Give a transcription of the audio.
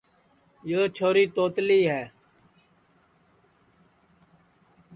یو چھوری توتلی ہے